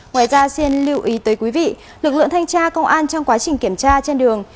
ngoài ra xin lưu ý tới quý vị lực lượng thanh tra công an trong quá trình kiểm tra trên đường